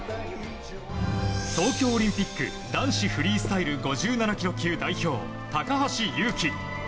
東京オリンピック男子フリースタイル５７ｋｇ級代表高橋侑希。